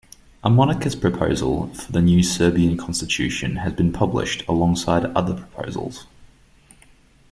A monarchist proposal for the new Serbian constitution has been published alongside other proposals.